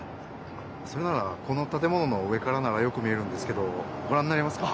それならこのたてものの上からならよく見えるんですけどごらんになりますか？